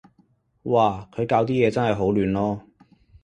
嘩，佢校啲嘢真係好亂囉